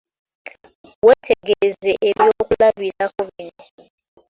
Weetegereze ebyokulabirako bino.